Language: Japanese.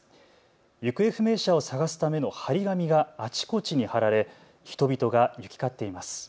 行方不明者を探すための張り紙があちこちに貼られ人々が行き交っています。